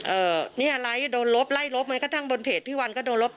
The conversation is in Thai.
เอ่อเนี่ยไลค์โดนลบไล่ลบแม้กระทั่งบนเพจพี่วันก็โดนลบ